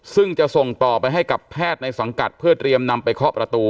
ซึ่งจะส่งต่อไปให้กับแพทย์ในสังกัดเพื่อเตรียมนำไปเคาะประตู